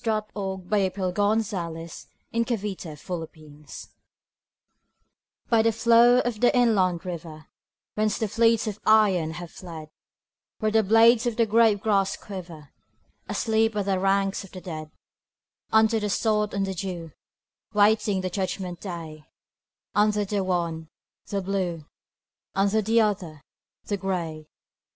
O P . Q R . S T . U V . W X . Y Z The Blue and the Gray BY the flow of the inland river, Whence the fleets of iron have fled, Where the blades of the grave grass quiver, Asleep are the ranks of the dead: Under the sod and the dew, Waiting the judgment day; Under the one, the Blue, Under the other, the Gray.